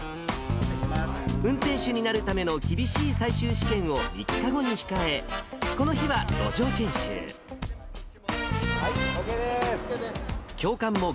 運転手になるための厳しい最終試験を３日後に控え、この日は路上はい、ＯＫです。